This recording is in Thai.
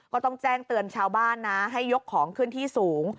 ก็ต้องแจ้งเตือนชาวบ้านนะให้ยกของขึ้นที่สูง